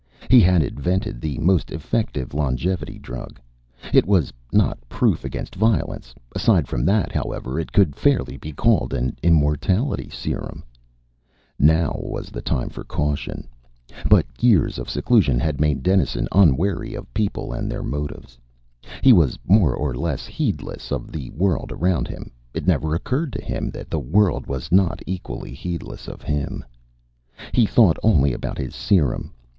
He had invented a most effective longevity drug. It was not proof against violence; aside from that, however, it could fairly be called an immortality serum. Now was the time for caution. But years of seclusion had made Dennison unwary of people and their motives. He was more or less heedless of the world around him; it never occurred to him that the world was not equally heedless of him. He thought only about his serum.